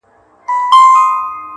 اوس سپوږمۍ نسته اوس رڼا نلرم~